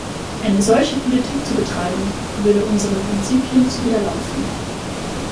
Eine solche Politik zu betreiben, würde unseren Prinzipien zuwiderlaufen.